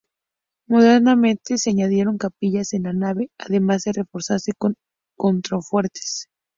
Modernamente, se añadieron capillas en la nave, además de reforzarse con contrafuertes.